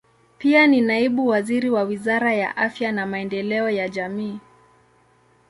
Pia ni naibu waziri wa Wizara ya Afya na Maendeleo ya Jamii.